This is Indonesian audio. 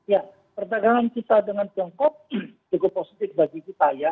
ya perdagangan kita dengan tiongkok cukup positif bagi kita ya